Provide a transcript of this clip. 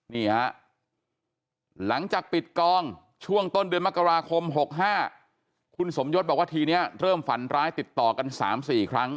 นี่ฮะหลังจากปิดกองช่วงต้นเดือนมกราคม๖๕คุณสมยศบอกว่าทีนี้เริ่มฝันร้ายติดต่อกัน๓๔ครั้ง